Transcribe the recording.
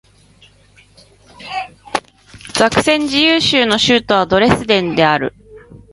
ザクセン自由州の州都はドレスデンである